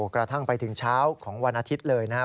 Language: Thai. กระทั่งไปถึงเช้าของวันอาทิตย์เลยนะครับ